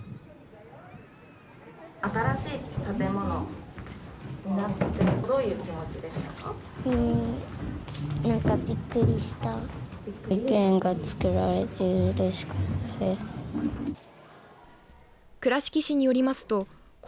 新しい建物になってどういう気持ちでしたか。